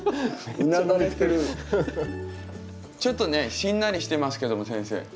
ちょっとねしんなりしてますけども先生。